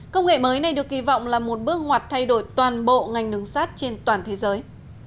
công nghệ mới này được kỳ vọng là một bước ngoặt thay đổi toàn bộ ngành đường sắt trên toàn thế giới